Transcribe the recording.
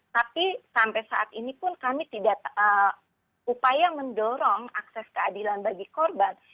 tapi sampai saat ini pun kami tidak upaya mendorong akses keadilan bagi korban